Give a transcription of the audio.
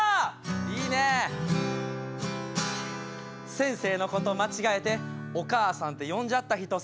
「先生のこと間違えてお母さんって呼んじゃった人好き」